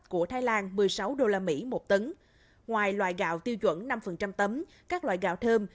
của thái lan một mươi sáu usd một tấn ngoài loại gạo tiêu chuẩn năm tấm các loại gạo thơm